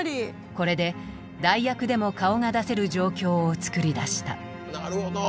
これで代役でも顔が出せる状況を作り出した。